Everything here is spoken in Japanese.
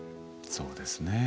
そうですねえ。